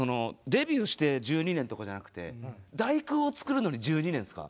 デビューして１２年とかじゃなくて「第９」をつくるのに１２年すか？